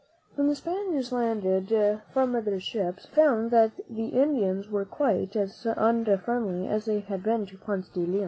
When the Spaniards landed from their ships, they found that the Indians were quite as unfriendly as they had been to Ponce de Leon.